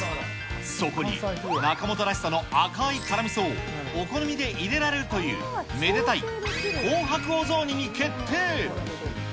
そこに中本らしさの赤い辛みそを、お好みで入れられるというめでたい紅白お雑煮に決定。